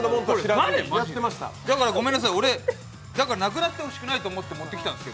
だからごめんなさい、無くなってほしくないと思って持ってきたんです。